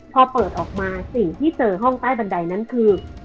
พอเปิดออกมาสิ่งที่เจอห้องใต้บันไดนั้นคือ